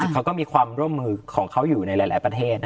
เขาก็มีความร่วมมือของเขาอยู่ในหลายประเทศ